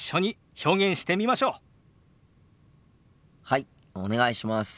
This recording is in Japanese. はいお願いします。